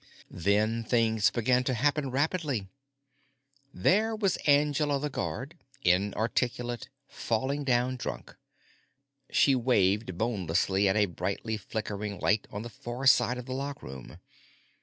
Then things began to happen rapidly. There was Angela the guard, inarticulate, falling down drunk; she waved bonelessly at a brightly flickering light on the far side of the lockroom.